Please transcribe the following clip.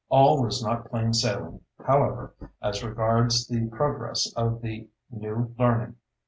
All was not plain sailing, however, as regards the progress of the "New Learning."